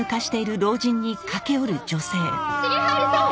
重治さん！